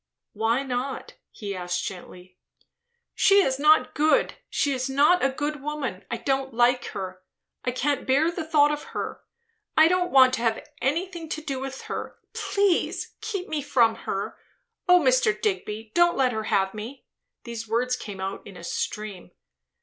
"Why not?" he asked gently. "She is not good. She is not a good woman. I don't like her. I can't bear the thought of her. I don't want to have anything to do with her. Please, keep me from her! O Mr. Digby, don't let her have me!" These words came out in a stream.